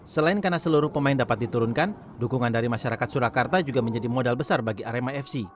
selain karena seluruh pemain dapat diturunkan dukungan dari masyarakat surakarta juga menjadi modal besar bagi arema fc